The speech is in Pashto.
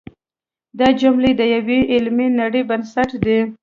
دا جملې د یوې علمي نړۍ بنسټ دی.